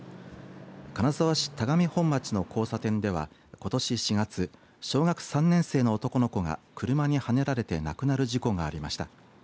金沢市田上本町の交差点ではことし４月小学３年生の男の子が車にはねられて亡くなる事故がありました。